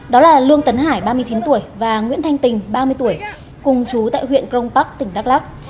đó là lương tấn hải ba mươi chín tuổi và nguyễn thanh tình ba mươi tuổi cùng chú tại huyện cron park tỉnh đắk lắc